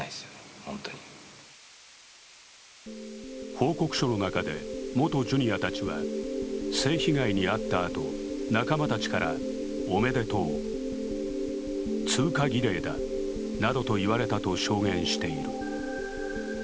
報告書の中で、元ジュニアたちは性被害に遭ったあと仲間たちから、おめでとう、通過儀礼だなどと言われたと証言している。